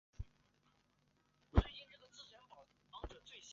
常用的药物有糖皮质激素和免疫抑制剂。